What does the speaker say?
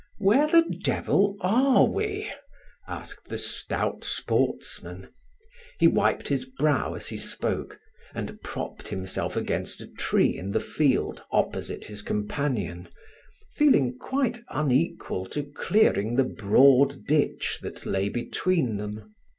"Where the devil are we?" asked the stout sportsman. He wiped his brow as he spoke, and propped himself against a tree in the field opposite his companion, feeling quite unequal to clearing the broad ditch that lay between them.